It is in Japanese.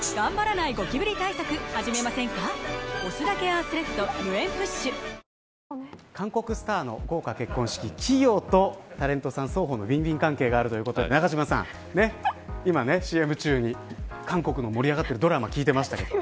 当人たちにとっては韓国スターの豪華結婚式企業とタレントさん双方のウィンウィン関係があるということで永島さん、今ＣＭ中に韓国の盛り上がってるドラマ聞いていましたけど。